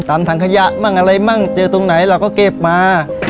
ถังขยะมั่งอะไรมั่งเจอตรงไหนเราก็เก็บมา